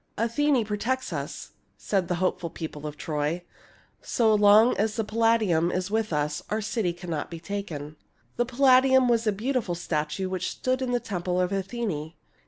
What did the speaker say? " Athene protects us," said the hopeful people of Troy. " So long as the Palladium is with us, our city cannot be taken." The Palladium was a beautiful statue which stood in the temple of Athene.